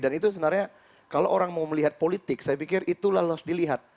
dan itu sebenarnya kalo orang mau melihat politik saya pikir itu lalos dilihat